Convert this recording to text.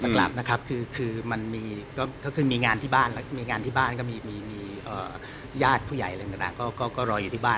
ก็คือมีงานที่บ้านก็มีญาติผู้ใหญ่ก็รออยู่ที่บ้าน